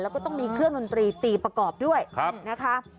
แล้วก็ต้องมีเครื่องดนตรีตีประกอบด้วยนะคะ